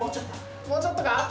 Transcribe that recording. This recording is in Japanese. もうちょっとか？